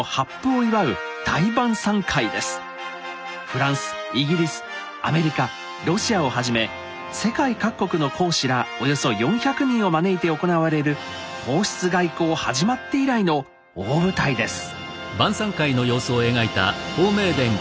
フランス・イギリス・アメリカ・ロシアをはじめ世界各国の公使らおよそ４００人を招いて行われる皇室外交始まって以来の大舞台です。